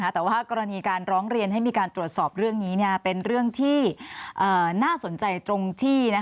แต่ว่ากรณีการร้องเรียนให้มีการตรวจสอบเรื่องนี้เป็นเรื่องที่น่าสนใจตรงที่